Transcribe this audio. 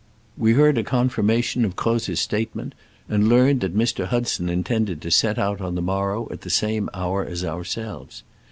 We heard a confirmation of Croz*s statement, and learned that Mr. Hudson intended to set out on the mor row at the same hour as ourselves.